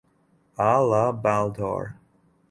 A la baldor.